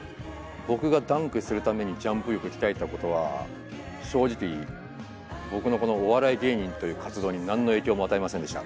僕がダンクするためにジャンプ力鍛えたことは正直僕のこのお笑い芸人という活動に何の影響も与えませんでした。